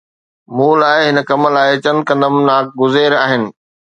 مون لاءِ، هن ڪم لاءِ چند قدم ناگزير آهن.